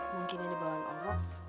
mungkin ini bawaan orang